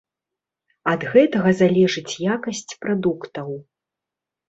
Ад гэтага залежыць якасць прадуктаў.